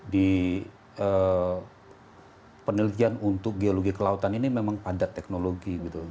di penelitian untuk geologi kelautan ini memang padat teknologi gitu